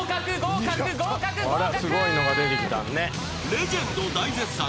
［レジェンド大絶賛